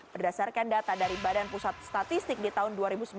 berdasarkan data dari badan pusat statistik di tahun dua ribu sembilan belas